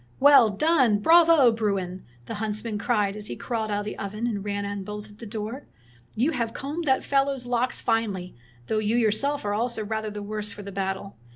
"Well done! Bravo, Bruin!" the hunts man cried, as he crawled out of the oven and ran and bolted the door. " You have combed that fellow's locks finely, though you your seK are also rather the worse for the battle.